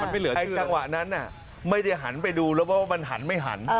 มันไม่เหลือคือจังหวะนั้นไม่ได้หันไปดูแล้วว่ามันหันไม่หัน